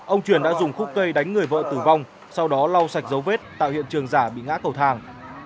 ông truyền đã dùng khúc cây đánh người vợ tử vong sau đó lau sạch dấu vết tạo hiện trường giả bị ngã cầu thang